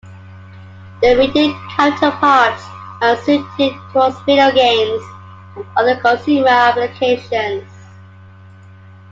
Their Radeon counterparts are suited towards video games and other consumer applications.